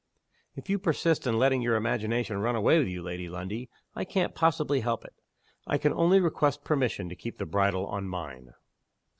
"If you persist in letting your imagination run away with you, Lady Lundie, I can't possibly help it. I can only request permission to keep the bridle on _mine.